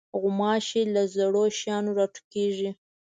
غوماشې له زړو شیانو راټوکېږي.